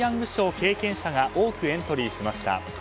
経験者が多くエントリーしました。